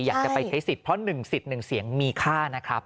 อยากจะไปใช้สิทธิ์เพราะ๑สิทธิ์๑เสียงมีค่านะครับ